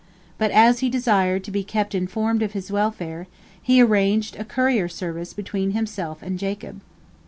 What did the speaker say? But as he desired to be kept informed of his welfare, he arranged a courier service between himself and Jacob.